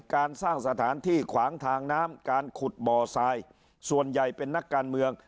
การสร้างสถานที่ขวางทางน้ำการขุดบ่อทรายส่วนใหญ่เป็นนักการเมือง